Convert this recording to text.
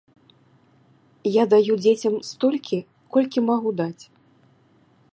Я даю дзецям столькі, колькі магу даць.